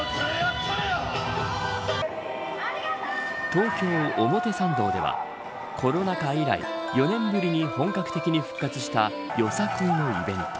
東京・表参道ではコロナ禍以来４年ぶりに本格的に復活したよさこいのイベント。